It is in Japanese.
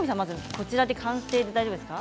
こちらで完成でいいですか。